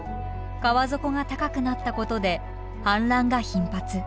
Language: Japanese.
川底が高くなったことで氾濫が頻発。